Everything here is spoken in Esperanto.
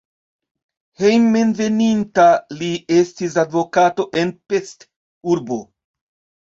Hejmenveninta li estis advokato en Pest (urbo).